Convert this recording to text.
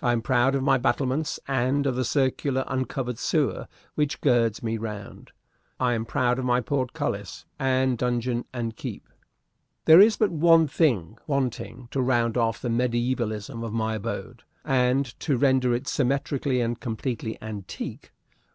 I am proud of my battlements and of the circular, uncovered sewer which girds me round. I am proud of my portcullis and donjon and keep. There is but one thing wanting to round off the mediævalism of my abode, and to render it symmetrically and completely antique.